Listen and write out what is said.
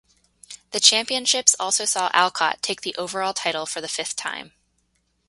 The Championships also saw Alcott take the Overall title for the fifth time.